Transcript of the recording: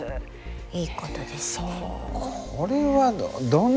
いいことです。